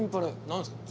何ですか？